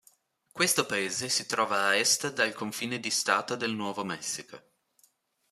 Questo paese si trova a est dal confine di stato del Nuovo Messico.